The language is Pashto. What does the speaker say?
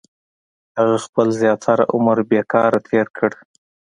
• هغه خپل زیاتره عمر بېکاره تېر کړ.